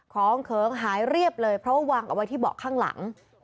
ของเขิงหายเรียบเลยเพราะว่าวางเอาไว้ที่เบาะข้างหลัง